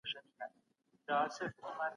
د علم په مرسته مجهولات کشف کړئ.